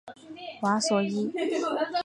瓦索伊。